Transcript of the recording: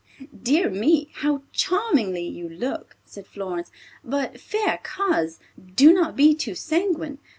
"Dear me, how charmingly you look!" said Florence. "But, fair coz, do not be too sanguine.